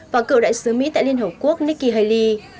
và cựu đại sứ mỹ tại liên hợp quốc nikki haley